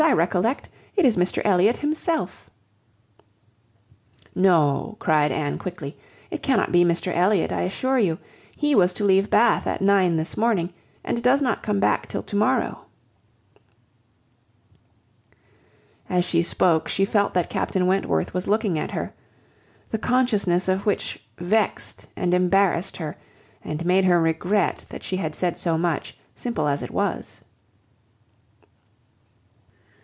I recollect. It is Mr Elliot himself." "No," cried Anne, quickly, "it cannot be Mr Elliot, I assure you. He was to leave Bath at nine this morning, and does not come back till to morrow." As she spoke, she felt that Captain Wentworth was looking at her, the consciousness of which vexed and embarrassed her, and made her regret that she had said so much, simple as it was.